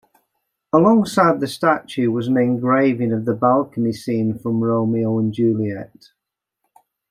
Alongside the statue was an engraving of the balcony scene from "Romeo and Juliet".